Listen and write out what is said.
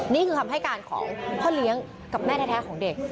นี่คือคำให้การของพ่อเลี้ยงกับแม่แท้ของเด็ก